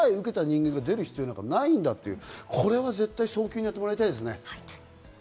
出る必要はないんだという、これは絶対、早急にやってもらいたいですね。